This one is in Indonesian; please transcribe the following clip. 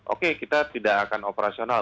oke kita tidak akan operasional